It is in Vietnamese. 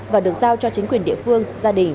và được giao cho chính quyền địa phương gia đình